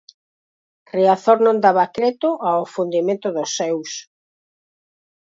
Riazor non daba creto ao afundimento dos seus.